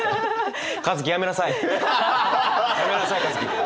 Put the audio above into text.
やめなさい花月。